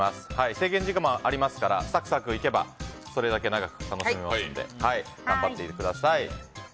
制限時間もありますからサクサクいけばそれだけ長く楽しめますので頑張ってみてください。